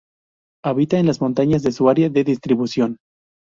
Habita en las montañas de su área de distribución.